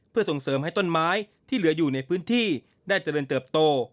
เพื่อส่งเสริมให้ต้นไม้ที่เหลืออยู่ในพื้นที่ได้เจริญเติบโต